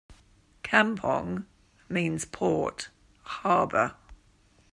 "Kampong" means port, harbor.